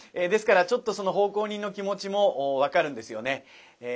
ですからちょっとその奉公人の気持ちも分かるんですよね。